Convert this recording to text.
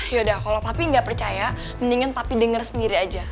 yaudah kalau papi gak percaya mendingan papi denger sendiri aja